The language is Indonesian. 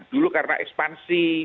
dulu karena ekspansi